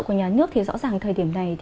của nhà nước thì rõ ràng thời điểm này